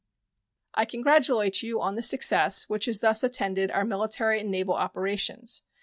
I congratulate you on the success which has thus attended our military and naval operations.